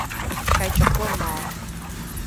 繼續觀望